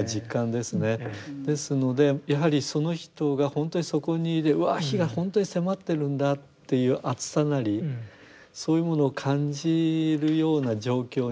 ですのでやはりその人が本当にそこにわ火が本当に迫ってるんだっていう熱さなりそういうものを感じるような状況にこう直面しないと。